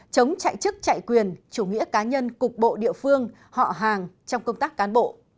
chống chạy chức chạy quyền chủ nghĩa cá nhân cục bộ địa phương họ hàng trong công tác cán bộ